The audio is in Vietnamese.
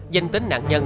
danh tính nạn nhân